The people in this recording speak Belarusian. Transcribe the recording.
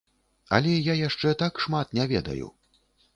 Але я яшчэ так шмат не ведаю.